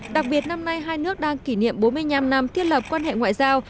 đặc biệt năm nay hai nước đang kỷ niệm bốn mươi năm năm thiết lập quan hệ ngoại giao